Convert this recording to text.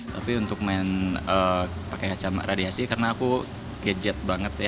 tapi untuk main pakai kacama radiasi karena aku gadget banget ya